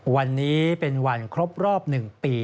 วันนี้เป็นวันครบรอบ๑ปี